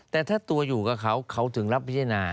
แต่ถ้าตัวอยู่กับเขาเขาถึงรับพิจารณา